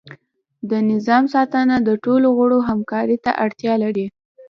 د نظام ساتنه د ټولو غړو همکاری ته اړتیا لري.